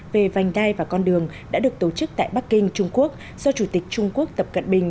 về vành đai và con đường đã được tổ chức tại bắc kinh trung quốc do chủ tịch trung quốc tập cận bình